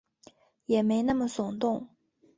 也没那么耸动